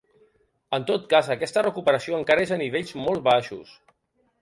En tot cas, aquesta recuperació encara és a nivells molt baixos.